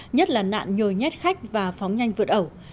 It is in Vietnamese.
nhất là nạn nhồi nhét khách và phóng nhanh vượt ẩu